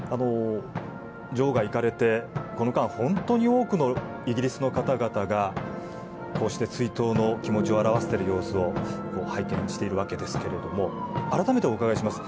女王がいかれてこの間、本当に多くのイギリスの方々が、こうして追悼の気持ちを表している様子を拝見しているわけですけども改めてお伺いします。